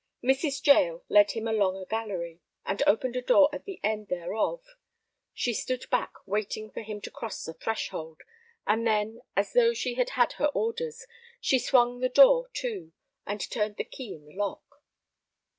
Mrs. Jael led him along a gallery, and opened a door at the end thereof. She stood back waiting for him to cross the threshold, and then, as though she had had her orders, she swung the door to and turned the key in the lock.